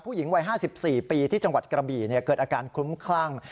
ผู้หญิงวัย๕๔ปีที่จังหวัดกระบี่เกิดอาการคลุ้มคลั่ง